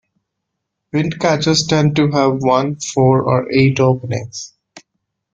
Windcatchers tend to have one, four, or eight openings.